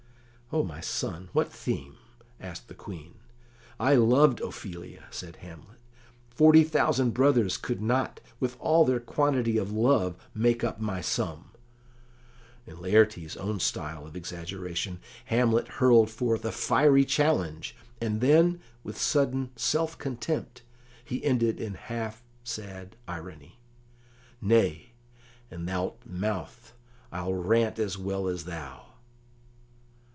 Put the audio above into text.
"O my son, what theme?" asked the Queen. "I loved Ophelia," said Hamlet; "forty thousand brothers could not, with all their quantity of love, make up my sum." In Laertes's own style of exaggeration, Hamlet hurled forth a fiery challenge, and then, with sudden self contempt, he ended in half sad irony: "Nay, an thou'lt mouth, I'll rant as well as thou."